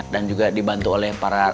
dan juga dibantu oleh para